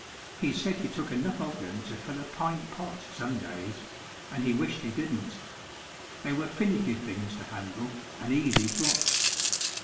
He said he took enough of them to fill a pint pot some days and he wished he didn't. They were finicky things to handle and easy dropped.